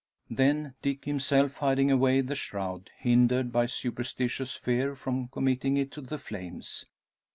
Then, Dick himself hiding away the shroud, hindered by superstitious fear from committing it to the flames.